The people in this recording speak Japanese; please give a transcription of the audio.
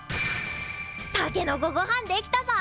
たけのこごはん出来たぞ！